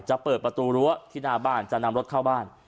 จะเปิดประตูรั้วที่หน้าบ้านจะนำรถเข้าบ้าน